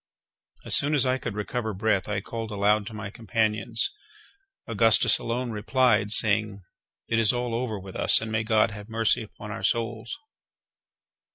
As soon as I could recover breath, I called aloud to my companions. Augustus alone replied, saying: "It is all over with us, and may God have mercy upon our souls!"